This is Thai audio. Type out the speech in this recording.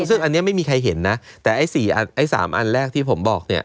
ซึ่งอันนี้ไม่มีใครเห็นนะแต่ไอ้๔๓อันแรกที่ผมบอกเนี่ย